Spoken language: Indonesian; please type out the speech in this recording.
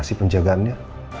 mana sih penjagaannya